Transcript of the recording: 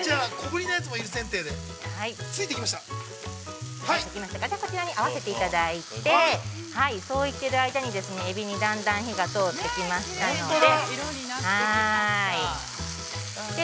◆こちらに合わせていただいて、そうしてる間に、エビにだんだん火が通ってきましたので。